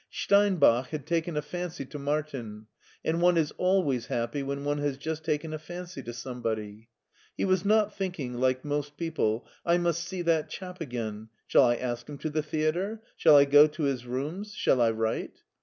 Steinbach had taken a fancy to Martin, and one is always happy when one has just taken a fancy to somebody. He was not thinking, like most people, " I must see that chap again; shall I ask him to the theater, shall I ^o to his rooms, shall I write?"